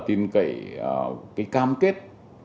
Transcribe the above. tin cậy cái cam kết